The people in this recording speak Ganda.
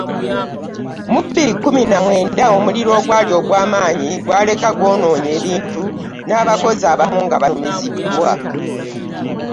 Mu bbiri kkumi na mwenda omuliro ogwali ogw'amaanyi gw'aleka gw'onoonye ebintu n’abakozi abamu nga balumiziddwa.